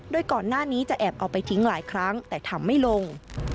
โดยก่อนหน้านี้จะแอบเอาไปทิ้งหลายครั้งแต่ทำไม่ลง